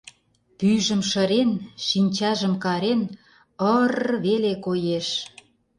Пӱйжым шырен, шинчажым карен, ы-ыррр веле коеш.